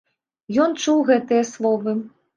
Ён чуў гэтыя словы.